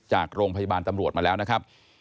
จากโรงพยาบาลตำรวจมาแล้วนะครับ